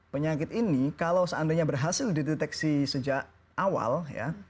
penyakit ini kalau seandainya berhasil dideteksi sejak awal ya